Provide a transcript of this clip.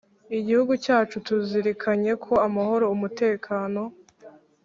Igihugu cyacu; tuzirikanye ko amahoro, umutekano,